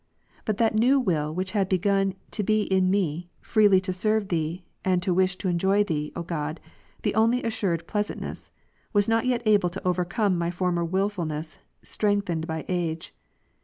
But that new will which had begun to be in me, freely to serve Thee, and to wish to enjoy Thee, O God, the only assured pleasantness, was not yet able to overcome my former wilfulness, strengthened by age.